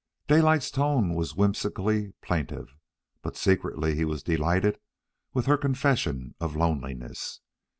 Daylight's tone was whimsically plaintive, but secretly he was delighted with her confession of loneliness.